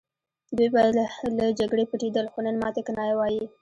دوی به له جګړې پټېدل خو نن ماته کنایه وايي